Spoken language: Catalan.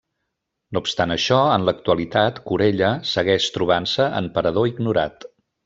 No obstant això, en l'actualitat Corella segueix trobant-se en parador ignorat.